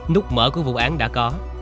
nút mở của vụ án đã có